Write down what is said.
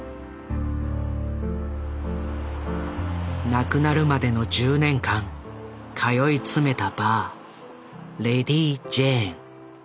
亡くなるまでの１０年間通い詰めたバーレディ・ジェーン。